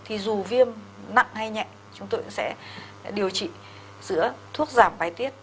thì dù viêm nặng hay nhẹ chúng tôi cũng sẽ điều trị giữa thuốc giảm bài tiết